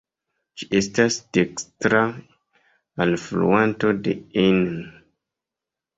Ĝi estas dekstra alfluanto de Inn.